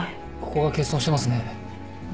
ここが欠損してますね。